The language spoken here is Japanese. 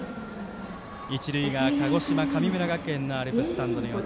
一塁側鹿児島、神村学園のアルプススタンドの様子